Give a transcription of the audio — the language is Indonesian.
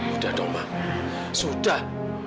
udah dong ma sudah